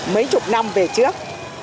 mấy chục năm về trước